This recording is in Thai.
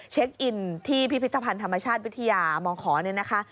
เช็คอินที่พิพิธภัณฑ์ธรรมชาติวิทยามองขอเนี่ยนะคะ